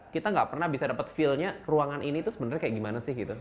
kita nggak pernah bisa dapet feelnya ruangan ini itu sebenarnya kayak gimana sih gitu